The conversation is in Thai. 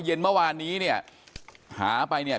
เย็นเมื่อวานนี้เนี่ยหาไปเนี่ย